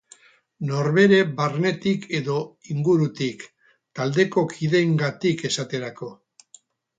Norbere barnetik edo ingurutik, taldeko kideengatik esaterako.